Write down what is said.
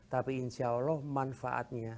tapi insya allah manfaatnya